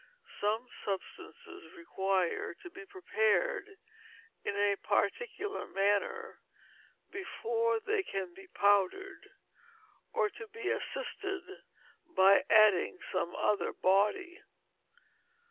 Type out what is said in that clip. Some substances require to be prepared in a particular manner before they can be powdered, or to be assisted by adding some other body.